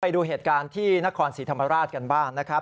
ไปดูเหตุการณ์ที่นครศรีธรรมราชกันบ้างนะครับ